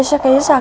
lo gak ada suara